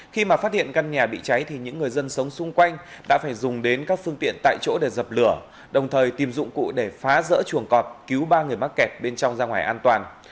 khi mà phát hiện căn nhà bị cháy thì những người dân sống xung quanh đã phải dùng đến các phương tiện tại chỗ để dập lửa đồng thời tìm dụng cụ để phá rỡ chuồng cọp cứu ba người mắc kẹt bên trong ra ngoài an toàn